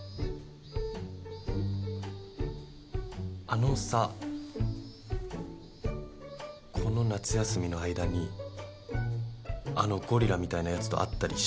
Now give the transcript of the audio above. あのさこの夏休みの間にあのゴリラみたいなやつと会ったりした？